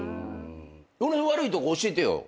俺の悪いとこ教えてよ。